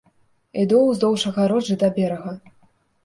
Іду ўздоўж агароджы да берага.